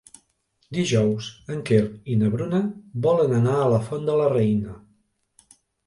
Dijous en Quer i na Bruna volen anar a la Font de la Reina.